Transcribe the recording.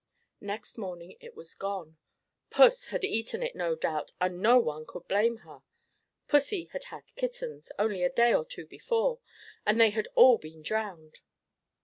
Next morning it was gone puss had eaten it no doubt, and no one could blame her. Pussy had had kittens, only a day or two before, and they had all been drowned.